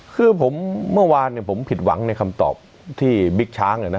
คือผมเมื่อวานผมผิดหวังในคำตอบที่บิ๊กช้าง